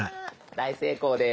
大成功です。